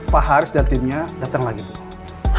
pak haris dan timnya datang lagi bu